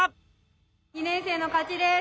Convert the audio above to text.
２年生の勝ちです。